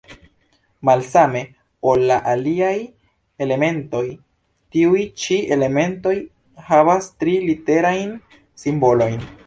Malsame ol la aliaj elementoj, tiuj ĉi elementoj havas tri-literajn simbolojn.